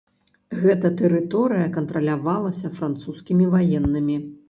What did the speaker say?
Гэта тэрыторыя кантралявалася французскімі ваеннымі.